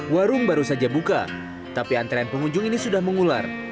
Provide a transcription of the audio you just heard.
warung baru saja buka tapi antrean pengunjung ini sudah mengular